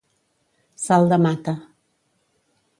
Salt de mata.